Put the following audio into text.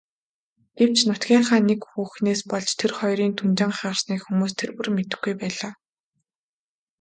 Гэвч нутгийнхаа нэг хүүхнээс болж тэр хоёрын түнжин хагарсныг хүмүүс тэр бүр мэдэхгүй байлаа.